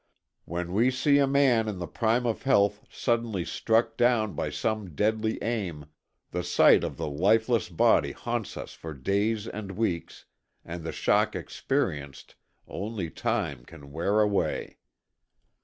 When we see a man in the prime of health suddenly struck down by some deadly aim, the sight of the lifeless body haunts us for days and weeks, and the shock experienced, only time can wear away.